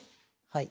はい。